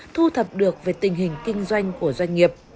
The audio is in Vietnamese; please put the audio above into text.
thu thập được về tình hình kinh doanh của doanh nghiệp